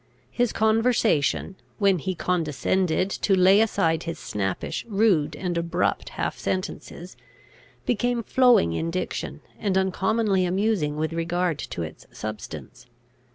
His conversation, when he condescended to lay aside his snappish, rude, and abrupt half sentences, became flowing in diction, and uncommonly amusing with regard to its substance.